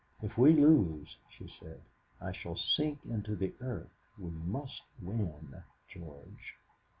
"If we lose," she said, "I shall sink into the earth. We must win, George."